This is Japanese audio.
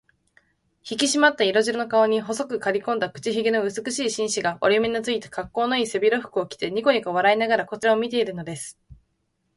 ひきしまった色白の顔に、細くかりこんだ口ひげの美しい紳士が、折り目のついた、かっこうのいい背広服を着て、にこにこ笑いながらこちらを見ているのです。